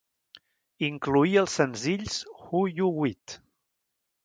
Incloïa els senzills "Who U Wit?"